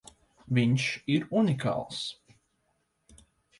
Viņš ir unikāls!